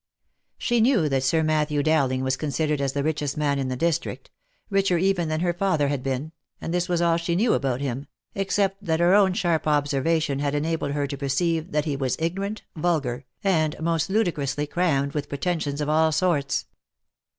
She knew that Sir Matthew Dow ling was considered as the richest man in the district — richer even than her father had been, and this was all she knew about him, ex cept that her own sharp observation had enabled her to perceive that he was ignorant, vulgar, and most ludicrously crammed with pretensions of all sorts.